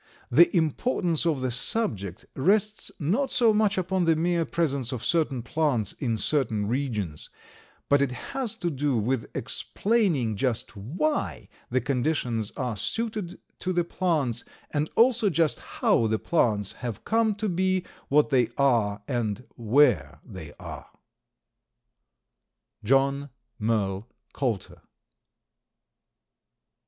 The importance of the subject rests not so much upon the mere presence of certain plants in certain regions, but it has to do with explaining just why the conditions are suited to the plants, and also just how the plants have come to be what they are and where they are. John Merle Coulter.